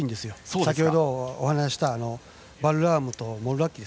先ほどお話ししたバルラームとモルラッキ。